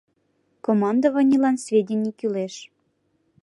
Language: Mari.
Командованийлан сведений кӱлеш.